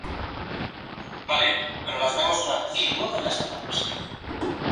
Este lugar se creó como lugar de estudio para el magisterio nacional.